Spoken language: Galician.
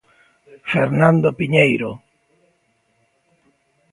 Fernando Piñeiro.